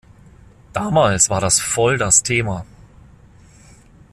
Damals war das voll das Thema.